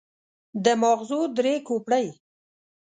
د ماغزو درې کوپړۍ.